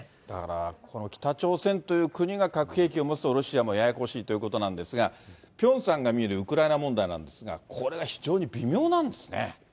だから、この北朝鮮という国が核兵器を持つとロシアもややこしいということなんですが、ピョンさんが見るウクライナ問題なんですが、これが非常に微妙なんですね。